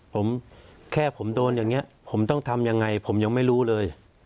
ผมแค่ผมโดนอย่างนี้ผมต้องทำยังไงผมยังไม่รู้เลย